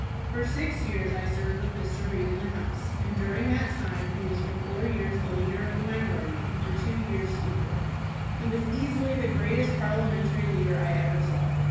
For six years I served with Mr. Reed in the House, and during that time he was for four years the leader of the minority and for two years Speaker. He was easily the greatest parliamentary leader I ever saw.